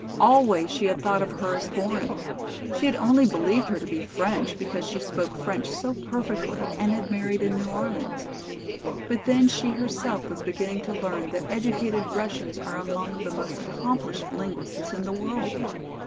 Always she had thought of her as foreign. She had only believed her to be French because she spoke French so perfectly and had married in New Orleans. But then she herself was beginning to learn that educated Russians are among the most accomplished linguists in the world.